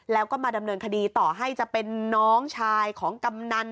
แล้วก็มาดำเนินคดีต่อให้จะเป็นน้องชายของกำนัน